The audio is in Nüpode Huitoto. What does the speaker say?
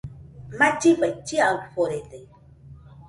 Mallifai chiaforede